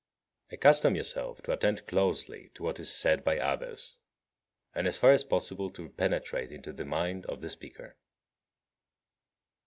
53. Accustom yourself to attend closely to what is said by others, and as far as possible to penetrate into the mind of the speaker.